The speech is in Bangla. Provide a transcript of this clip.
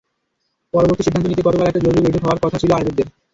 পরবর্তী সিদ্ধান্ত নিতে গতকাল একটা জরুরি বৈঠকও হওয়ার কথা ছিল আয়োজকদের।